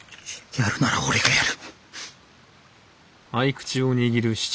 やるなら俺がやる。